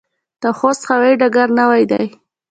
د خوست هوايي ډګر نوی دی